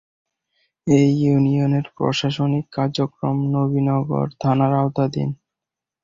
এ ইউনিয়নের প্রশাসনিক কার্যক্রম নবীনগর থানার আওতাধীন।